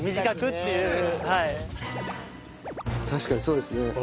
確かにそうですね。